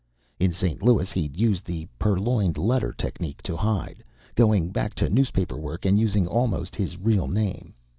In St. Louis, he'd used the "Purloined Letter" technique to hide going back to newspaper work and using almost his real name.